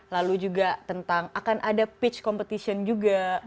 lalu juga tentang akan ada pitch competition juga